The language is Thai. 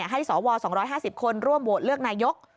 ให้สว๒๕๐คนร่วมโหวตเลือกนายก